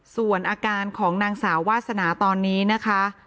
ส่วนอาการของนางสาววาสนาตอนนี้นะคะ